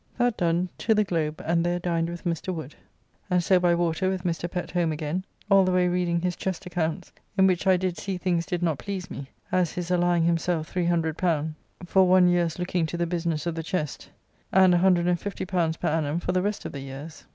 That done, to the Globe, and there dined with Mr. Wood, and so by water with Mr. Pett home again, all the way reading his Chest accounts, in which I did see things did not please me; as his allowing himself 1300 for one year's looking to the business of the Chest, and L150 per annum for the rest of the years.